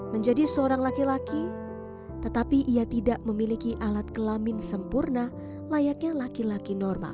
menjadi seorang laki laki tetapi ia tidak memiliki alat kelamin sempurna layaknya laki laki normal